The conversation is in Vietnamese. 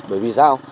bởi vì sao